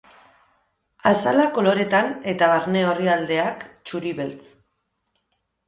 Azala koloretan eta barne orrialdeak txuri-beltz.